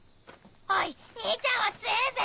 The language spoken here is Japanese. おい兄ちゃんは強えぇぜ。